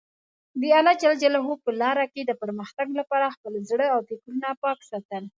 د الله په لاره کې د پرمختګ لپاره خپل زړه او فکرونه پاک ساتل.